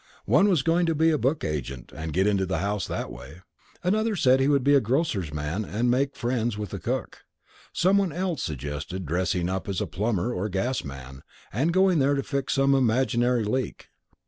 One was going to be a book agent and get into the house that way. Another said he would be the grocer's man and make friends with the cook. Someone else suggested dressing up as a plumber or gas man, and going there to fix some imaginary leak.